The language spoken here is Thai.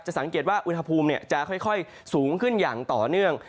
สังเกตว่าอุณหภูมิจะค่อยสูงขึ้นอย่างต่อเนื่อง